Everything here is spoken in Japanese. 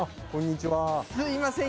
すいません